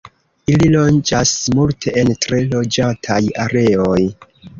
Ili loĝas multe en tre loĝataj areoj.